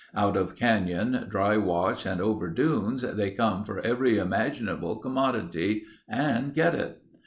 Out of canyon, dry wash, and over dunes they come for every imaginable commodity, and get it.